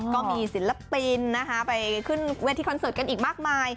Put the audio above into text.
ก็มีศิลปินนะคะไปขึ้นเวทีคอนเสิร์ตกันอีกมากมาย